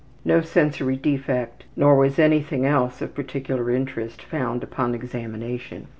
No sensory defect, nor was anything else of particular interest found upon examination.